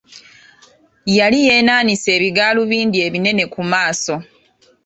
Yali yeenaanise ebigaalubindi ebinene ku maaso.